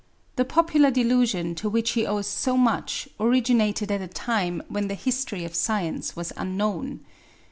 The popular delusion to which he owes so much originated at a time when the history of science was unknown.